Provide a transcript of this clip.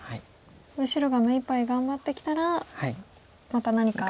白が目いっぱい頑張ってきたらまた何か。